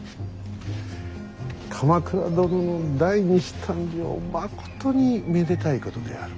鎌倉殿の第二子誕生まことにめでたいことである。